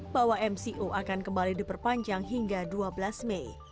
bahwa mco akan kembali diperpanjang hingga dua belas mei